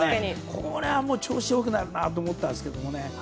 これは調子良くなるなと思ったんですけどね。